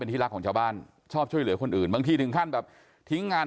ที่รักของชาวบ้านชอบช่วยเหลือคนอื่นบางทีถึงขั้นแบบทิ้งงาน